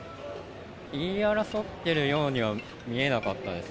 言い争ってるようには見えなかったです。